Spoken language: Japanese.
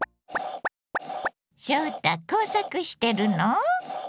翔太工作してるの？